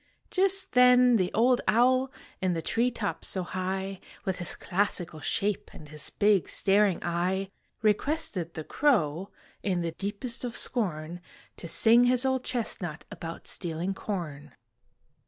Just then the old owl In the tree top so high, With his classical shape And his big staring eye, Requested the crow, In the deepest of scorn, To sing his old chestnut About stealing corn.